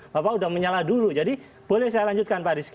bapak sudah menyala dulu jadi boleh saya lanjutkan pak rizky